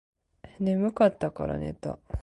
眠かったらから寝た